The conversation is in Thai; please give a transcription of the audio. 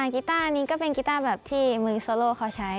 กิ้ตานี้ก็เป็นกิ้ตาที่มือโซโล่เขาใช้